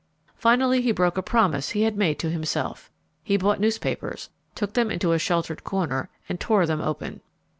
Finally he broke a promise he had made to himself. He bought newspapers, took them into a sheltered corner, and tore them open.